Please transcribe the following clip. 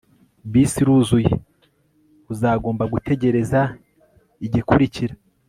bisi iruzuye. uzagomba gutegereza igikurikira